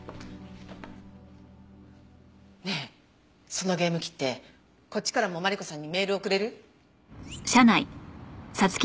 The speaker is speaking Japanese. ねえそのゲーム機ってこっちからもマリコさんにメール送れる？